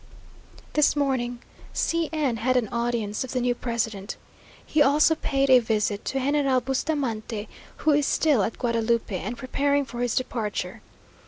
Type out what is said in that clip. This morning C n had an audience of the new president. He also paid a visit to General Bustamante, who is still at Guadalupe, and preparing for his departure.